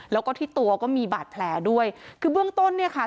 แล้วก็ที่ตัวก็มีบาดแผลด้วยคือเบื้องต้นเนี่ยค่ะ